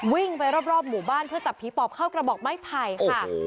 วิ่งไปรอบหมู่บ้านเพื่อจับผีปอบเข้ากระบอกไม้ไผ่ค่ะ